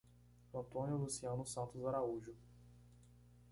Antônio Luciano Santos Araújo